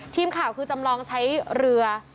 ทีมข่าวคือจำลองใช้เรือ